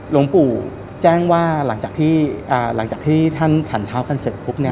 โรงปู่แจ้งว่าหลังจากที่ท่านถ่านเท้ากันเสร็จ